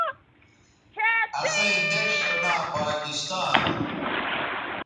اسئیں دیݜ سو ناں پاکستاں تھو